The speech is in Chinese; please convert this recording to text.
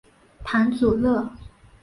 庞祖勒。